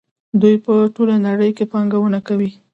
دوی په ټوله نړۍ کې پانګونه کوي.